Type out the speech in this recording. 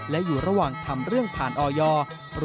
และอยู่ระหว่างทำเรื่องผ่านออยอร์